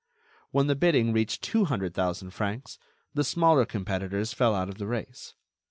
When the bidding reached two hundred thousand francs, the smaller competitors fell out of the race.